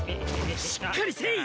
しっかりせい！